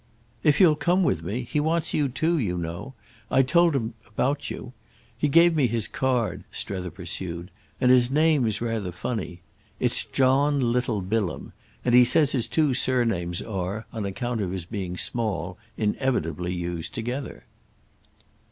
"If you'll come with me. He wants you too, you know. I told him about you. He gave me his card," Strether pursued, "and his name's rather funny. It's John Little Bilham, and he says his two surnames are, on account of his being small, inevitably used together."